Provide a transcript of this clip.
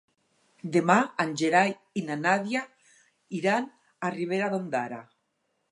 Demà en Gerai i na Nàdia iran a Ribera d'Ondara.